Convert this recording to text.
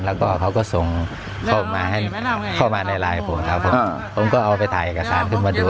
แล้วก็เขาก็ส่งเข้ามาในไลน์ของผมครับผมก็เอาไปถ่ายเอกสารขึ้นมาดู